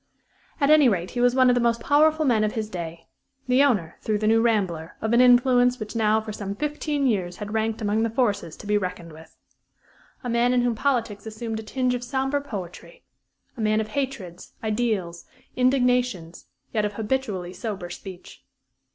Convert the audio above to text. At any rate, he was one of the most powerful men of his day the owner, through The New Rambler, of an influence which now for some fifteen years had ranked among the forces to be reckoned with. A man in whom politics assumed a tinge of sombre poetry; a man of hatreds, ideals, indignations, yet of habitually sober speech.